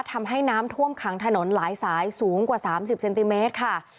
ทำให้น้ำท่วมขังถนนหลายสายสูงกว่า๓๐เซนติเมตรค่ะ